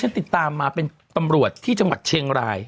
ติดตามมาเป็นตำรวจที่จังหวัดเชียงราย